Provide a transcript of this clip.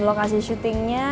oke lokasi syutingnya